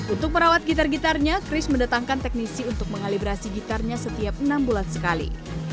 untuk merawat gitar gitarnya chris mendatangkan teknisi untuk mengalibrasi gitarnya setiap enam bulan sekali